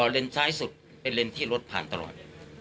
เลนซ้ายสุดเป็นเลนส์ที่รถผ่านตลอด